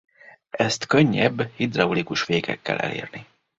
Ezt könnyebb hidraulikus fékekkel elérni.